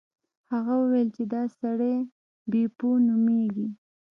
هغه وویل چې دا سړی بیپو نومیږي.